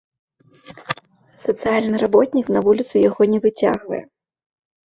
Сацыяльны работнік на вуліцу яго не выцягвае.